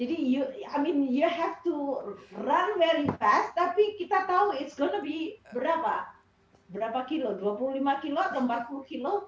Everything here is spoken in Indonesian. jadi you have to run very fast tapi kita tahu it's gonna be berapa berapa kilo dua puluh lima kilo atau empat puluh kilo